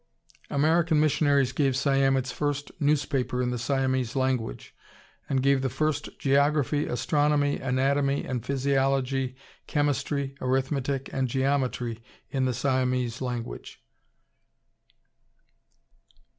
American missionaries gave Siam its first newspaper in the Siamese language, and gave the first Geography, Astronomy, Anatomy, and Physiology, Chemistry, Arithmetic, and Geometry in the Siamese language.